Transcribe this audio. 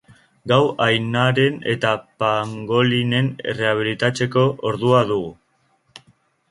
Gau-ainaren eta pangolinen errehabilitatzeko ordua dugu.